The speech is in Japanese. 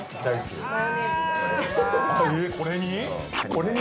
これに？